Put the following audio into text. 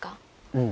うん。